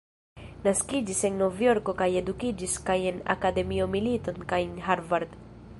Naskiĝis en Novjorko kaj edukiĝis kaj en Akademio Milton kaj en Harvard.